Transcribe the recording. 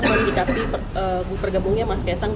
mengikapi pergabungnya mas kesang